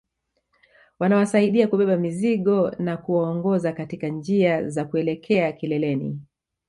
Wanawasaidia kubeba mizigo na kuwaongoza katika njia za kuelekea kileleni